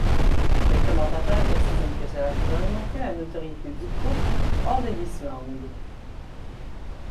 Les commentateurs estiment que cela pourrait augmenter la notoriété du groupe hors de l'Islande.